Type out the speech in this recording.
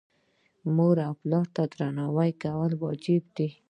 مور او پلار ته درناوی کول واجب دي.